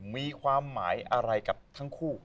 มีความหมายอะไรกับทั้งคู่